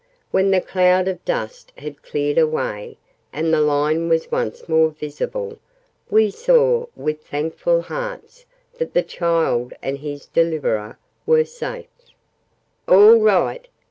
When the cloud of dust had cleared away, and the line was once more visible, we saw with thankful hearts that the child and his deliverer were safe. "All right!"